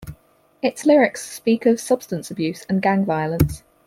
Its lyrics speak of substance abuse and gang violence.